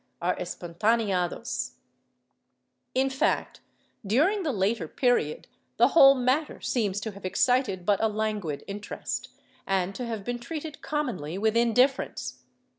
are espontaneados} In fact, during the later period, the whole matter seems to have excited ijut a languid iriterest, and to have been treated commonly with indifference.